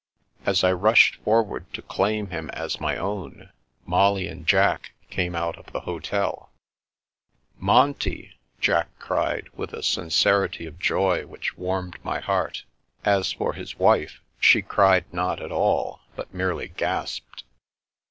As I rushed forward to claim him as my own, Molly and Jack came out of the hotel. 324 The Princess Passes "Monty!'' Jack cried, with a sincerity of joy which warmed my heart. As for his wife, she cried not at all, but merely gasped.